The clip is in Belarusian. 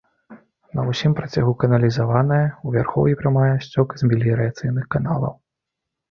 На ўсім працягу каналізаваная, у вярхоўі прымае сцёк з меліярацыйных каналаў.